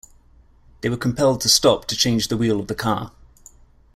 They were compelled to stop to change the wheel of the car.